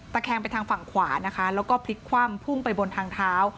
แคงไปทางฝั่งขวานะคะแล้วก็พลิกคว่ำพุ่งไปบนทางเท้า